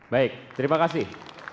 baik terima kasih